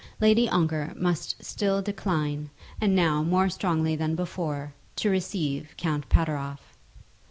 Lady Ongar must still decline, and now more strongly than before, to receive Count Pateroff.